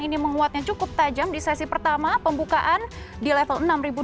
ini menguatnya cukup tajam di sesi pertama pembukaan di level enam dua ratus